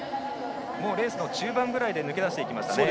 レースの中盤くらいで抜け出していきましたね。